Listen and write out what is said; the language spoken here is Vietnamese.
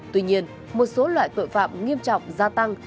tuy nhiên một số loại tội phạm nghiêm trọng gia tăng